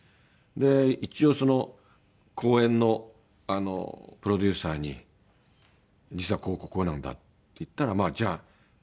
一応その公演のプロデューサーに実はこうこうこうなんだって言ったら「じゃあ中止しましょう」と。